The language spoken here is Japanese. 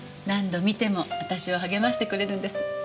何度観ても私を励ましてくれるんです。